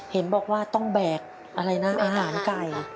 เห็นบอกว่าต้องแบกอะไรนะอาหารไก่